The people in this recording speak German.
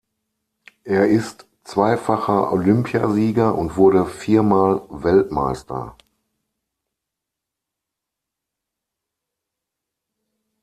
Er ist zweifacher Olympiasieger und wurde vier Mal Weltmeister.